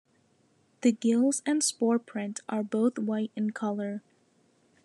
The gills and spore print are both white in colour.